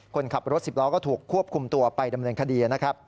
คนขับรถสิบล้อถูกควบคุมตัวไปดำเนินคดี